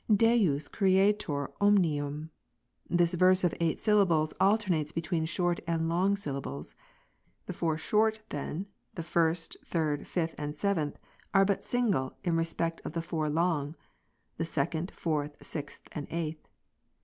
35. " Deus Creator omnium, " this verse of eight syllables alternates between short and long syllables. The four short then, the first, third, fifth, and seventh, are but single, in respect of tlie four long, the second, fourth, sixth, and eighth.